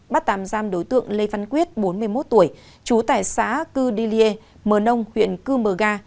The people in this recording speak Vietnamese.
bắt tạm giam đối tượng lê văn quyết bốn mươi một tuổi chú tải xã cư đi lê mờ nông huyện cư mờ ga